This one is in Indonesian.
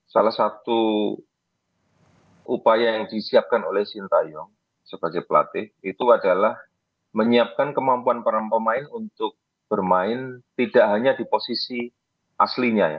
salah satu upaya yang disiapkan oleh sintayong sebagai pelatih itu adalah menyiapkan kemampuan para pemain untuk bermain tidak hanya di posisi aslinya ya